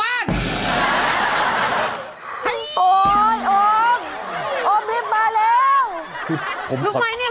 โอ๊ยโอ๊ยโอ๊ยโอ๊ยโอ๊ยโอ๊ยโอ๊ยโอ๊ยโอ๊ยโอ๊ย